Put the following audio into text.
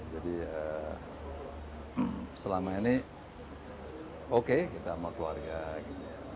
jadi selama ini oke kita sama keluarga